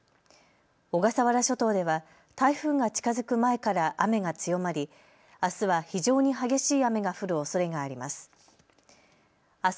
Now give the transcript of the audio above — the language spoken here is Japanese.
小笠原諸島では台風が近づく前から雨が強まりあすは非常に激しい雨が降るおそれがあります。